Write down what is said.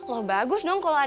wah bagus dong kalau adriana